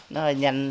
nó hơi nhanh